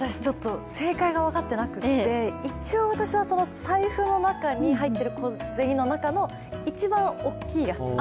正解が分かってなくて一応財布の中に入ってる小銭の中の一番大きいやつ。